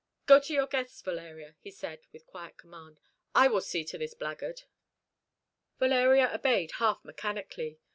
"Go to your guests, Valeria," he said, with quiet command; "I will see to this blackguard." Valeria obeyed half mechanically.